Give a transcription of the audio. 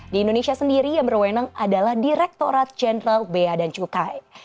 di indonesia sendiri yang berwenang adalah direktorat jenderal beadan cukai